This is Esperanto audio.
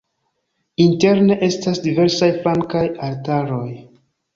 Interne estas diversaj flankaj altaroj.